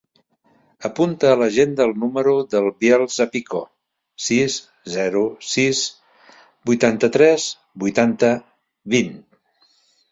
Apunta a l'agenda el número del Biel Zapico: sis, zero, sis, vuitanta-tres, vuitanta, vint.